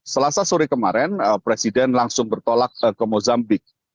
selasa sore kemarin presiden langsung bertolak ke mozambik